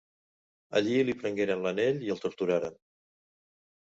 Allí li prengueren l'anell i el torturaren.